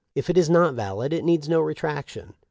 " If it is not valid, it needs no retraction.